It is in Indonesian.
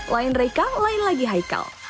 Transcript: lain reka lain lagi haikal